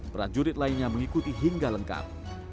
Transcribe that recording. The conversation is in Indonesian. prajurit lainnya mengikuti hingga lengkap